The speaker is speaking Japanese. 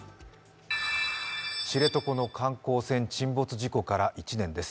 知床の観光船沈没事故から１年です。